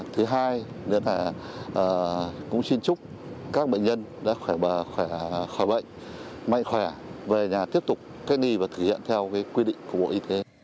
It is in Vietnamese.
thứ hai cũng xin chúc các bệnh nhân khỏe mạnh mạnh khỏe về nhà tiếp tục cách nghi và thực hiện theo quy định của bộ y tế